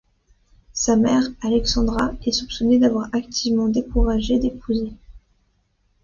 Sa mère, Alexandra, est soupçonné d'avoir activement découragé d'épouser.